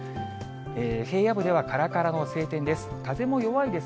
平野部ではからからの晴天です。